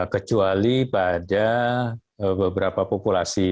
kecuali pada beberapa populasi